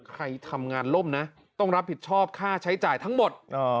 ใครทำงานล่มนะต้องรับผิดชอบค่าใช้จ่ายทั้งหมด